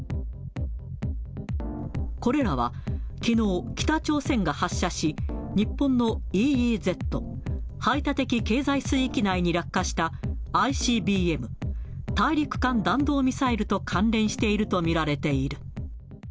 これらはきのう、北朝鮮が発射し、日本のＥＥＺ・排他的経済水域内に落下した、ＩＣＢＭ・大陸間弾道ミサイルと関連していると見られている。